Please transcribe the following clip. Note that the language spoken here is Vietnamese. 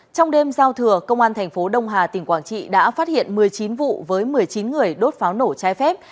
trong đêm giao thừa công an thành phố đông hà tỉnh quảng trị đã phát hiện một mươi chín vụ với một mươi chín người đốt pháo nổ trái phép